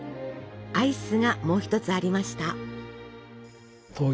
アイスがもう一つありました。